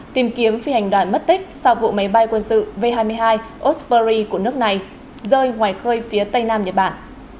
tìm kiếm phi hành đoàn mất tích sau vụ máy bay quân sự v hai mươi hai osbury của nước này rơi ngoài khơi phía tây nam nhật bản